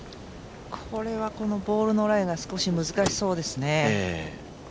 これはボールのライが少し難しそうですね。